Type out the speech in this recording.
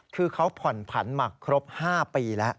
คือเขาผ่อนผันมาครบ๕ปีแล้ว